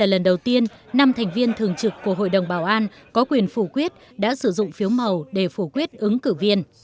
lần đầu tiên năm thành viên thường trực của hội đồng bảo an có quyền phủ quyết đã sử dụng phiếu màu để phủ quyết ứng cử viên